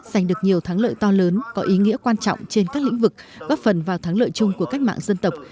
giành được nhiều thắng lợi to lớn có ý nghĩa quan trọng trên các lĩnh vực góp phần vào thắng lợi chung của cách mạng dân tộc